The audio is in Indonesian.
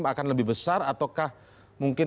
akan lebih besar ataukah mungkin